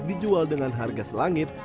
dijual dengan harga selangit